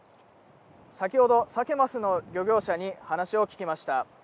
先ほど、サケ・マスの漁業者に話を聞きました。